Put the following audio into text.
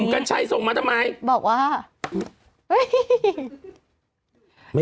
นุ่มกันชัยส่งมาทำไม